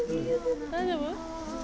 大丈夫？